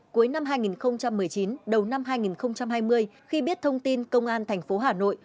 cuối năm hai nghìn một mươi chín đầu năm hai nghìn hai mươi khi biết thông tin công an thành phố hà nội